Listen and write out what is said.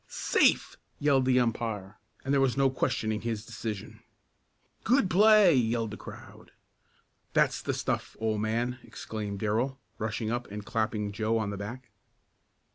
"Safe!" yelled the umpire, and there was no questioning his decision. "Good play!" yelled the crowd. "That's the stuff, old man!" exclaimed Darrell, rushing up and clapping Joe on the back.